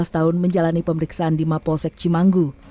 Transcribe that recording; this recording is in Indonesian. tiga belas tahun menjalani pemeriksaan di maposek cimanggu